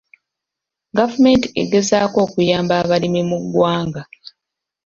Gavumenti egezaako okuyamba abalimi mu ggwanga.